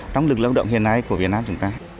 trong lực lao động hiện nay của việt nam chúng ta